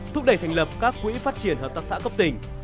thúc đẩy thành lập các quỹ phát triển hợp tác xã cấp tỉnh